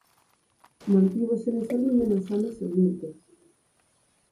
Mantívose nesa liña nos anos seguintes.